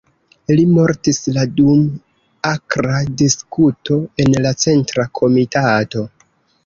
Li mortis la dum akra diskuto en la Centra Komitato.